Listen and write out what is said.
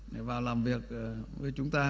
để vào làm việc với chúng ta